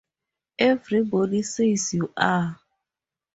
Everybody says you are.